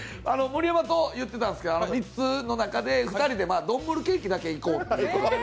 盛山と言ってたんですけど、３つの中でドンムルケーキだけは行こうと。